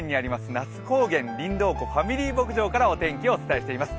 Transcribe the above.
那須高原りんどう湖ファミリー牧場からお伝えしています。